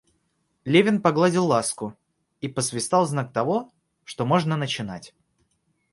Левин погладил Ласку и посвистал в знак того, что можно начинать.